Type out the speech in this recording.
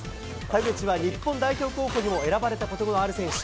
田口は日本代表候補にも選ばれたことのある選手。